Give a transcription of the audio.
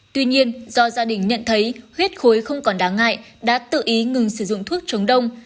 tuy nhiên do gia đình nhận thấy huyết khối không còn đáng ngại đã tự ý ngừng sử dụng thuốc trống đông